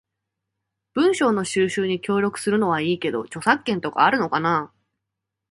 文章の収集に協力するのはいいけど、著作権とかあるのかな？